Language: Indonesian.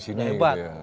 disini gitu ya